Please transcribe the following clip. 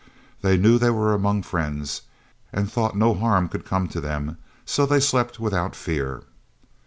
They knew they were among friends, and thought that no harm could come to them, so they slept without fear.